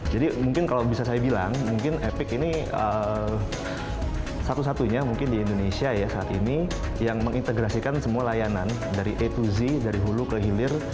jadi mungkin kalau bisa saya bilang mungkin epic ini satu satunya mungkin di indonesia ya saat ini yang mengintegrasikan semua layanan dari a to z dari hulu ke hilir